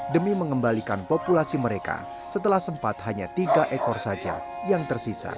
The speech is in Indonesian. demi mengembalikan populasi mereka setelah sempat hanya tiga ekor saja yang tersisa